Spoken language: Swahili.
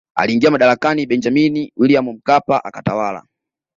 Aliingia madarakani Benjamini Williamu Mkapa akatawala